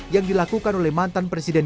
yang dilakukan oleh mantan presiden